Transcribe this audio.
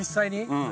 うん。